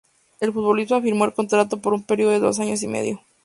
El futbolista firmó el contrato por un periodo de dos años y medio.